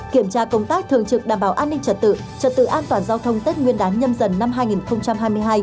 kiểm tra công tác thường trực đảm bảo an ninh trật tự trật tự an toàn giao thông tết nguyên đán nhâm dần năm hai nghìn hai mươi hai